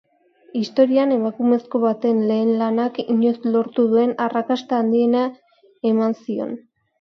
Historian emakumezko baten lehen lanak inoiz lortu duen arrakasta handiena eman zion.